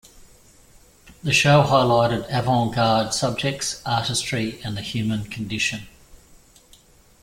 The show highlighted avant-garde subjects, artistry, and the human condition.